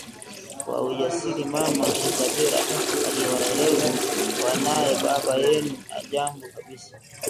Kwa ujasiri mama Isabela aliwaeleza wanae “Baba yenu hajambo kabisa